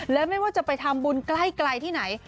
และไม่ว่าจะไปทำบุญใกล้ที่ไหน